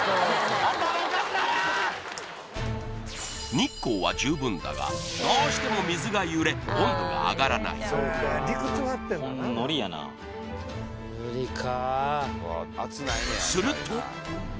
日光は十分だがどうしても水が揺れ温度が上がらない無理か？